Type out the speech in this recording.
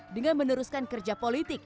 dengan meneruskan kerja politik